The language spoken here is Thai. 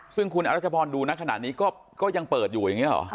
ซึ่งคุณอรัชพรดูนะขนาดนี้ก็ยังเปิดอยู่อย่างนี้หรอ